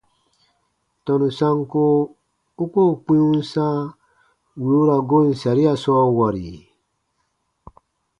Tɔnu sanko u koo kpĩ u n sãa wì u ra goon saria sɔɔ wɔri?